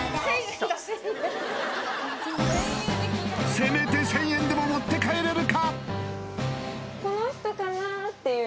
せめて１０００円でも持って帰れるか！？